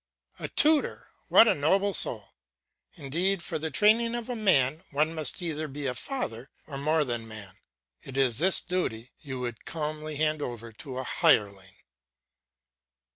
A tutor! What a noble soul! Indeed for the training of a man one must either be a father or more than man. It is this duty you would calmly hand over to a hireling!